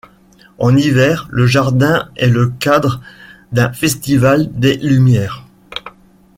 En hiver, le jardin est le cadre d'un festival des lumières.